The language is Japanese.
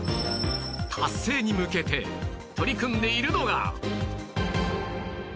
達成に向けて取り組んでいるのが